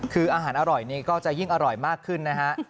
คืออาหารอร่อยนี่ก็จะยิ่งอร่อยมากขึ้นนะฮะ